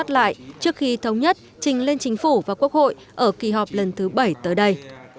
trước khi thống nhất trình lên chính phủ và quốc hội ở kỳ họp lần thứ bảy tới đây